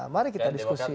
mari kita diskusi